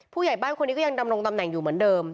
ผู้ใหญ่บ้านคนนี้ก็ยังดำรงตำแหน่งอยู่เหมือนเดิม